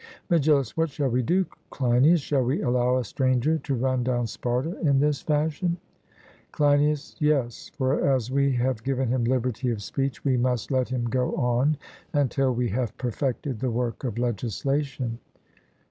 MEGILLUS: What shall we do, Cleinias? Shall we allow a stranger to run down Sparta in this fashion? CLEINIAS: Yes; for as we have given him liberty of speech we must let him go on until we have perfected the work of legislation.